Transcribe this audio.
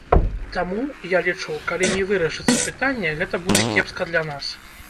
Таму, я лічу, калі не вырашыцца пытанне, гэта будзе кепска для нас.